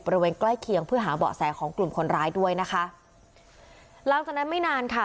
ใกล้เคียงเพื่อหาเบาะแสของกลุ่มคนร้ายด้วยนะคะหลังจากนั้นไม่นานค่ะ